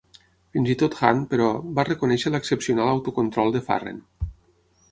Fins i tot Hunt, però, va reconèixer l'excepcional autocontrol de Farren.